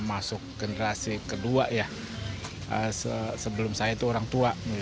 masuk generasi kedua ya sebelum saya itu orang tua